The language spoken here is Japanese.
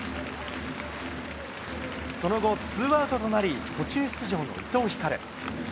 その後、ツーアウトとなり、途中出場の伊藤光。